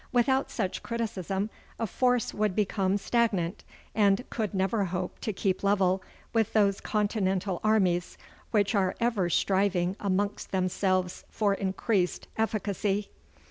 'Without such criticism a force would become stagnant, and could never hope to keep level with those continental armies, which are ever striving amongst themselves for increased efficacy.